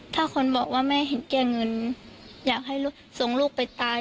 ถ้าคนบอกว่าแม่เห็นแก้เงินอยากให้ลูกส่งลูกไปตาย